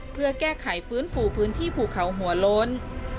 เพื่อแก้ไขฟื้นฟูพื้นที่ภูเขาหัวโล้น